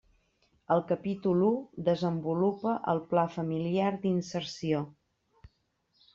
El capítol u desenvolupa el pla familiar d'inserció.